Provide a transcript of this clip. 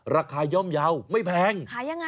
ราคาย่อมเยาไม่แพง